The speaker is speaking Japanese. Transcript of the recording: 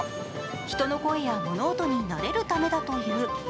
人の声や物音に慣れるためだという。